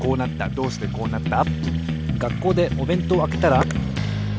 どうしてこうなった？